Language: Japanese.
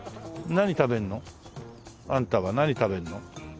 何食べるの？あんたは何食べるの？